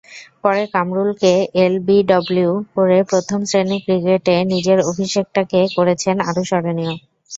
পরে কামরুলকে এলবিডব্লু করে প্রথম শ্রেণির ক্রিকেটে নিজের অভিষেকটাকে করেছেন আরও স্মরণীয়।